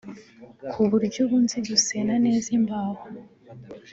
ku buryo ubu nzi gusena neza imbaho